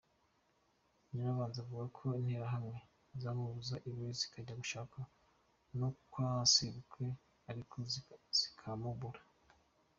Nyirabanze avuga ko Interahamwe zamubuze iwe, zikajya gushaka no kwa sebukwe ariko zikamubura.